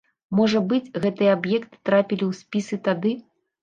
Можа быць, гэтыя аб'екты трапілі ў спісы тады.